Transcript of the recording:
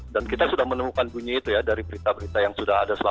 dan kita sudah menemukan bunyi itu ya dari berita berita yang sudah ada